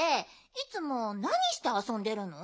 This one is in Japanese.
いつもなにしてあそんでるの？